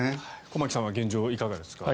駒木さんは現状いかがですか？